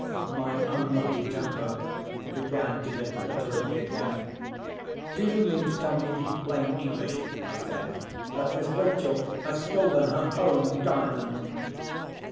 My unlucky temper began to get the better of me again. "Do you mean to tell me, in plain English," I said, "that Miss Rachel has stolen her own Diamond?"